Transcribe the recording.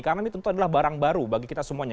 karena ini tentu adalah barang baru bagi kita semuanya